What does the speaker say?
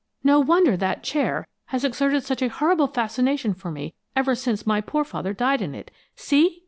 No wonder that chair has exerted such a horrible fascination for me ever since my poor father died in it. See!"